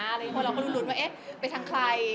เพราะเราก็รุ้นว่าเอ๊ะไปทางใคร